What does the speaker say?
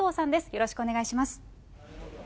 よろしくお願いします。